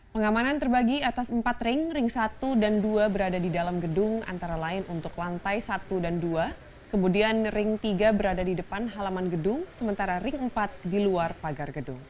pengamanan terbagi atas empat ring ring satu dan dua berada di dalam gedung antara lain untuk lantai satu dan dua kemudian ring tiga berada di depan halaman gedung sementara ring empat di luar pagar gedung